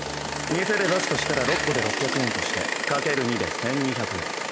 店で出すとしたら６個で６００円として掛ける２で１２００円。